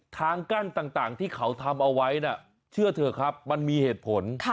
ทางกั้นต่างที่เขาทำเอาไว้นะเชื่อเถอะครับมันมีเหตุผล